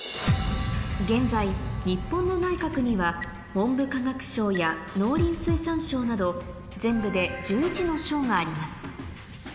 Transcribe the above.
現在日本の内閣には文部科学省や農林水産省など全部で１１の省があります